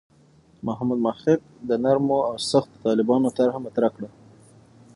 محمد محق د نرمو او سختو طالبانو طرح مطرح کړه.